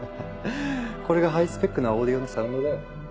これがハイスペックなオーディオのサウンドだよ。